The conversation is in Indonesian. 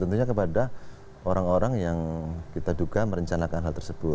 tentunya kepada orang orang yang kita duga merencanakan hal tersebut